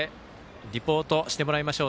リポートしてもらいましょう。